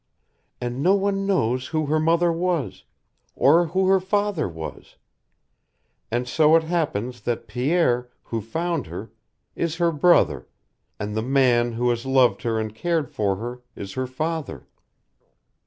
And no one knows who her mother was, or who her father was, and so it happens that Pierre, who found her, is her brother, and the man who has loved her and cared for her is her father."